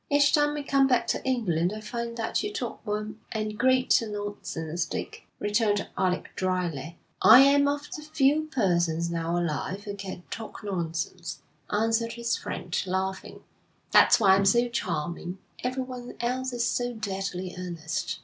'Each time I come back to England I find that you talk more and greater nonsense, Dick,' returned Alec drily. 'I'm one of the few persons now alive who can talk nonsense,' answered his friend, laughing. 'That's why I'm so charming. Everyone else is so deadly earnest.'